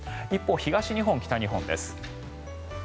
一方で東日本、北日本です。